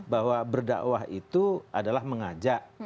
bahwa berdakwah itu adalah mengajak